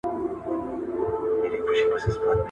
د شتمنو کورنیو و ښځو ته د ستۍ